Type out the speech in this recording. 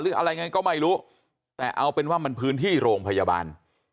อะไรไงก็ไม่รู้แต่เอาเป็นว่ามันพื้นที่โรงพยาบาล